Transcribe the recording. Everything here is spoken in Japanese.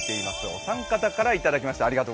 お三方からいただきました。